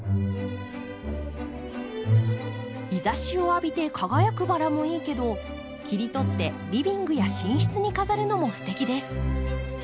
日ざしを浴びて輝くバラもいいけど切り取ってリビングや寝室に飾るのもすてきです。